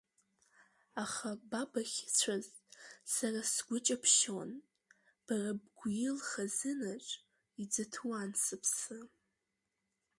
Аха ба бахьыцәаз, сара сгәы ҷаԥшьон, бара бгәил хазынаҿ, иӡыҭуан сыԥсы.